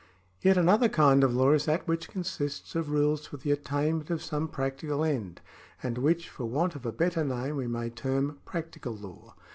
Yet another kind of law is that which consists of rules for the attainment of some practical end, and which, for want of a better name, we may term practical law.